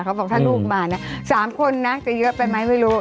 เขาบอกถ้าลูกมานะ๓คนนะจะเยอะไปไหมไม่รู้